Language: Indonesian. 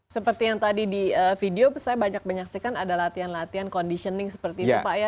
seperti yang tadi di video saya banyak menyaksikan ada latihan latihan conditioning seperti itu pak ya